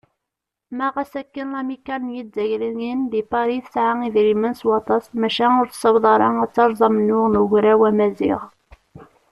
Ma ɣas akken lamikkal n yizzayriyen di Pari tesɛa idrimen s waṭas, maca ur tessaweḍ ara ad teṛṛez amennuɣ n Ugraw Amaziɣ.